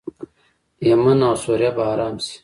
یمن او سوریه به ارام شي.